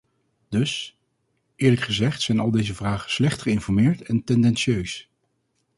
Dus, eerlijk gezegd zijn al deze vragen slecht geïnformeerd en tendentieus.